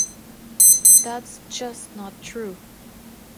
That's just not true.